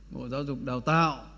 bộ giáo dục đào tạo